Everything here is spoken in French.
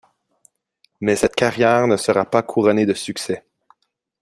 Mais cette carrière ne sera pas couronnée de succès.